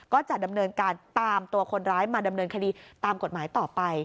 ก็จะดำเนินการตามตัวคนร้ายมาดำเนินคดีตามกฎหมายต่อไป